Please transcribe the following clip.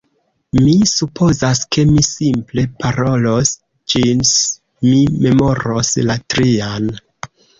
Mi supozas, ke mi simple parolos ĝis mi memoros la trian.